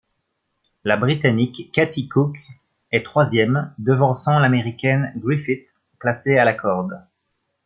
La Britannique Kathy Cook est troisième, devançant l'Américaine Griffith placée à la corde.